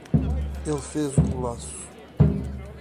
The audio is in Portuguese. ele fez um golaço